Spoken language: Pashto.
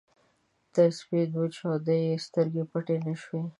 تر سپېده چاوده يې سترګې پټې نه شوې.